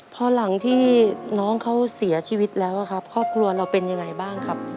พอหลังที่น้องเขาเสียชีวิตแล้วครับครอบครัวเราเป็นยังไงบ้างครับ